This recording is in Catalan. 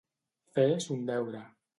Fer son deure.